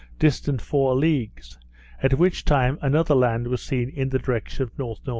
distant four leagues, at which time another land was seen in the direction of N.N.